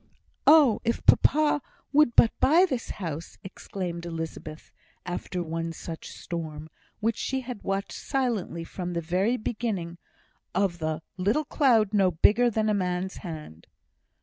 "Oh! if papa would but buy this house!" exclaimed Elizabeth, after one such storm, which she had watched silently from the very beginning of the "little cloud no bigger than a man's hand."